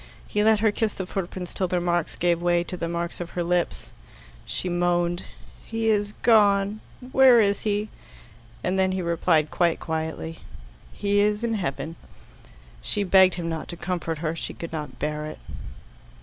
He let her kiss the footprints till their marks gave way to the marks of her lips. She moaned. "He is gone where is he?" and then he replied quite quietly, "He is in heaven." She begged him not to comfort her; she could not bear it.